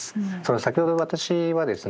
先ほど私はですね